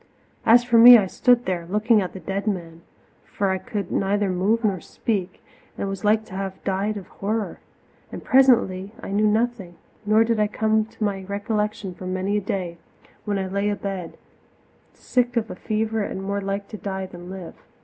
As for me, I stood there looking at the dead man, for I could neither move nor speak and was like to have died of horror. And presently I knew nothing, nor did I come to my recollection for many a day, when I lay abed, sick of a fever and more like to die than live.